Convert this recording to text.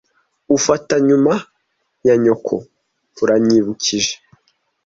Ufata nyuma ya nyoko. Uranyibukije.